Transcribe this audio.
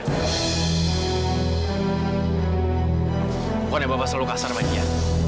pokoknya bapak selalu kasar sama dia